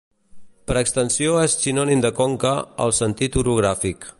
Per extensió és sinònim de conca al sentit orogràfic.